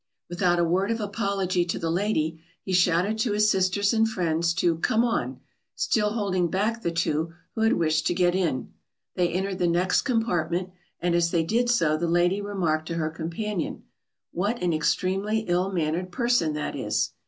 Without a word of apology to the lady, he shouted to his sisters and friends to "Come on," still holding back the two who had wished to get in. They entered the next compartment, and as they did so the lady remarked to her companion, "What an extremely ill mannered person that is!"